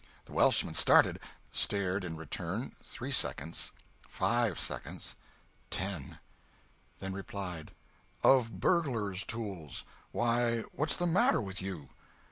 The Welshman started—stared in return—three seconds—five seconds—ten—then replied: "Of burglar's tools. Why, what's the matter with you?"